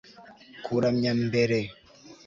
Kuramya mbere